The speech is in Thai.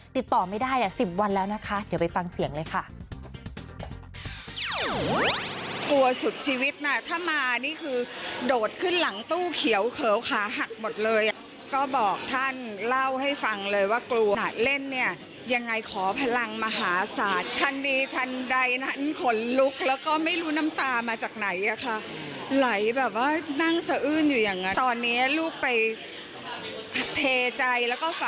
ติดต่อไม่ได้๑๐วันแล้วนะคะเดี๋ยวไปฟังเสียงเลยค่ะ